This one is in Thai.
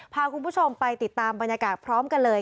พาคุณผู้ชมไปติดตามบรรยากาศพร้อมกันเลย